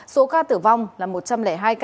số ca tử vong là một trăm linh hai ca